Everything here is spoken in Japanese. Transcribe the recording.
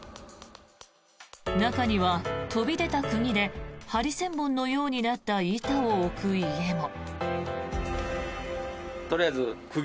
中には、飛び出た釘でハリセンボンのようになった板を置く家も。